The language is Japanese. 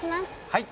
はい！